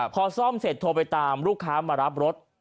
พอซ่อมเสร็จโทรไปตามลูกค้ามารับรถ